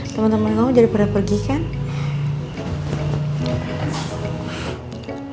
temen temen kamu jadi pada pergi kan